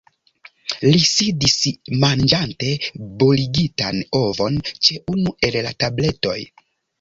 Li sidis manĝante boligitan ovon ĉe unu el la tabletoj.